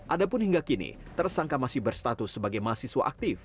adapun hingga kini tersangka masih berstatus sebagai mahasiswa aktif